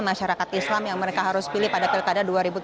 masyarakat islam yang mereka harus pilih pada pilkada dua ribu tujuh belas